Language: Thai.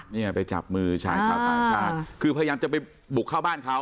เนี่ยไปจับมือชายชาวต่างชาติคือพยายามจะไปบุกเข้าบ้านเขา